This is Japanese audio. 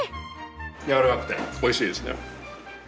やわらかくておいしいですね。